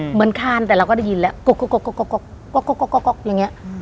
เหมือนคานแต่เราก็ได้ยินแล้วก๊อกอย่างเงี้ย